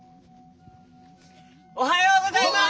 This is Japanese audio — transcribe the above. おはようございます！